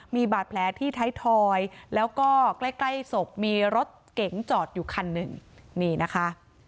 มีบาดแผลที่ท้ายทอยแล้วก็ใกล้ใกล้ศพมีรถเก๋งจอดอยู่คันหนึ่งนี่นะคะ